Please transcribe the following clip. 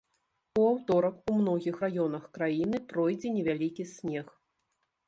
У аўторак у многіх раёнах краіны пройдзе невялікі снег.